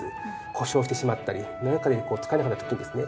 故障してしまったり何かで使えなくなった時にですね